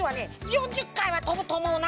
４０かいはとぶとおもうな。